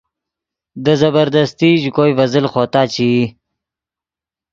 دے زبردستی ژے کوئے ڤے زل خوتا چے ای